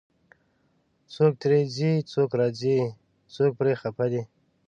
څوک ترې ځي، څوک راځي، څوک پرې خفه دی